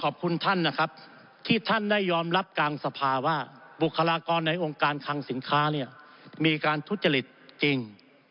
บุคลากรในองค์การคังสินค้าเนี่ยมีการทุจริตจริง